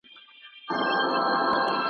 راغی جهاني خدای او اولس لره منظور مشر .